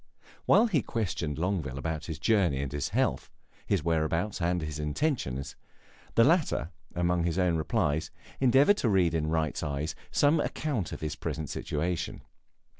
While he questioned Longueville about his journey and his health, his whereabouts and his intentions, the latter, among his own replies, endeavored to read in Wright's eyes some account of his present situation.